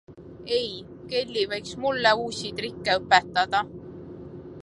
Ei, Kelly võiks mulle uusi trikke õpetada!